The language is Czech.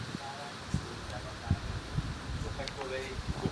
V tuto chvíli ještě nikdo netušil blížící se katastrofu.